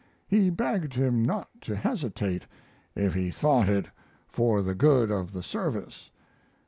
He begged him not to hesitate if he thought it for the good of the service.